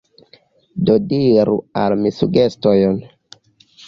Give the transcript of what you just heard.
Do diru al mi sugestojn.